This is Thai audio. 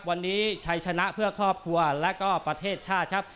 วันนี้ชัยชนะเพื่อครอบครัวและก็ประเทศชาติครับ